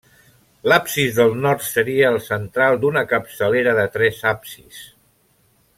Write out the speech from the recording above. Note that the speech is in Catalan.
L'absis del nord seria el central d'una capçalera de tres absis.